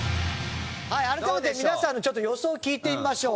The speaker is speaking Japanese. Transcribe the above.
改めて皆さんの予想を聞いてみましょう。